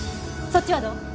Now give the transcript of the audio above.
そっちはどう？